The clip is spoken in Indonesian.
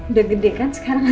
udah gede kan sekarang